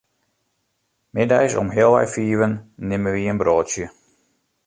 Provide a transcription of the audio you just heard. Middeis om healwei fiven nimme wy in broadsje.